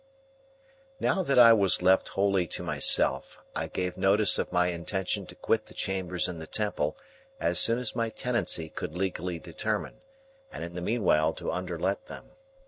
Now that I was left wholly to myself, I gave notice of my intention to quit the chambers in the Temple as soon as my tenancy could legally determine, and in the meanwhile to underlet them.